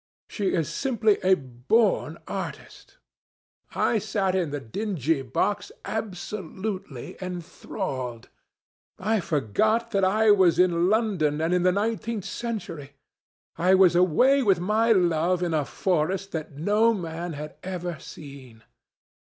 She is simply a born artist. I sat in the dingy box absolutely enthralled. I forgot that I was in London and in the nineteenth century. I was away with my love in a forest that no man had ever seen.